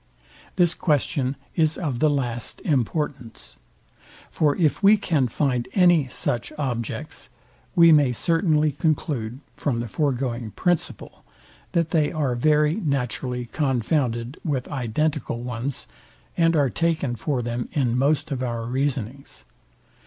This question is of the last importance. For if we can find any such objects, we may certainly conclude, from the foregoing principle, that they are very naturally confounded with identical ones, and are taken for them in most of our reasonings.